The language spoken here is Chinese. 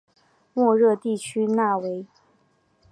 莫热地区讷维。